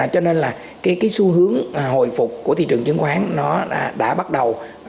cho nên là cái xu hướng hồi phục của thị trường chứng khoán nó đã bắt đầu